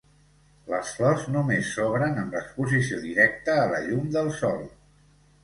Les flors només s'obren amb l'exposició directa a la llum del sol.